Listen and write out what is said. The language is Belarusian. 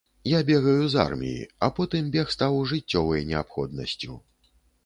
Я бегаю з арміі, а потым бег стаў жыццёвай неабходнасцю.